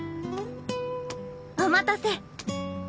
おまたせ！